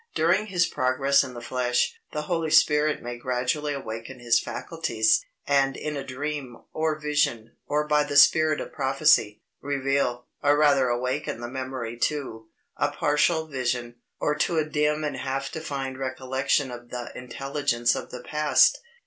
During his progress in the flesh, the Holy Spirit may gradually awaken his faculties; and in a dream, or vision, or by the spirit of prophecy, reveal, or rather awaken the memory to, a partial vision, or to a dim and half defined recollection of the intelligence of the past.